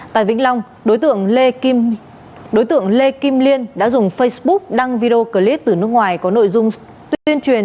tại vĩnh long đối tượng lê kim liên đã dùng facebook đăng video clip từ nước ngoài có nội dung tuyên truyền